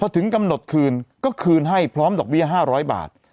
ถึงกำหนดคืนก็คืนให้พร้อมดอกเบี้ย๕๐๐บาท